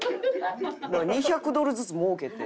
２００ドルずつもうけて。